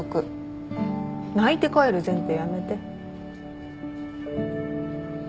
泣いて帰る前提やめて。